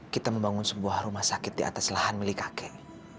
kita membangun sebuah rumah sakit di atas lahan milik kakek